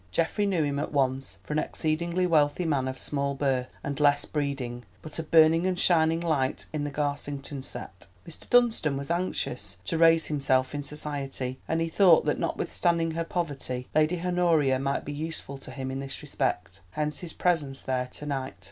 Geoffrey knew him at once for an exceedingly wealthy man of small birth, and less breeding, but a burning and a shining light in the Garsington set. Mr. Dunstan was anxious to raise himself in society, and he thought that notwithstanding her poverty, Lady Honoria might be useful to him in this respect. Hence his presence there to night.